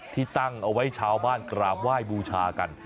ที่ตั้งเอาไว้ชาวบ้านกราบไหว้บูชากัน